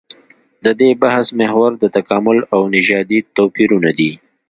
د دې بحث محور د تکامل او نژادي توپيرونه دي.